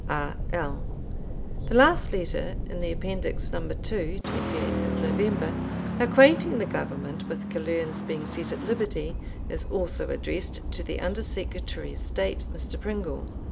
R. L. The last letter in the Appendix No. II. (28th November), acquainting the Government with Killearn's being set at liberty, is also addressed to the Under Secretary of State, Mr. Pringle.